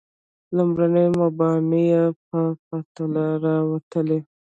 لومړني مباني یې په تله کې راوتلي.